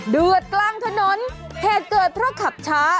เดือดกลางถนนเหตุเกิดเพราะขับช้า